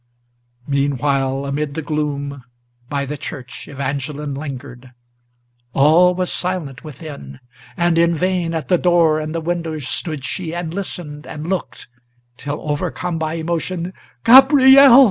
Meanwhile, amid the gloom, by the church Evangeline lingered. All was silent within; and in vain at the door and the windows Stood she, and listened and looked, till, overcome by emotion, "Gabriel!"